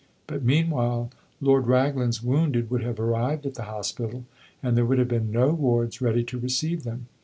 But meanwhile Lord Raglan's wounded would have arrived at the hospital, and there would have been no wards ready to receive them.